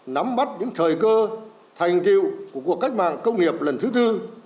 nắm bắt những thời cơ thành tiệu của cuộc cách mạng công nghiệp lần thứ tư